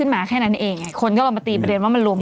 มันก็เป็นเก็ตก็คือเป็นงง